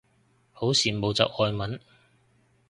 好羨慕就外文